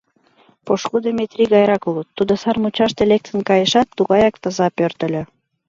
Пошкудо Метри гайрак улыт: тудо сар мучаште лектын кайышат, тугаяк таза пӧртыльӧ.